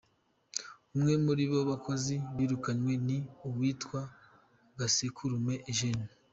Umwe muri abo bakozi birukanywe ni uwitwa Gasekurume Eugene.